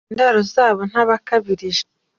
Indaro zaho ntabakabirije